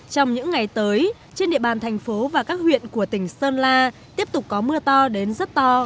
trong những ngày tới trên địa bàn thành phố và các huyện của tỉnh sơn la tiếp tục có mưa to đến rất to